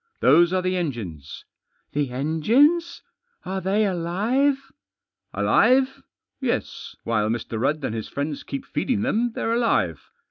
" Those are the engines." " The engines ? Are they alive ?"" Alive ? Yes, while Mr. Rudd and his friends keep feeding them they're alive.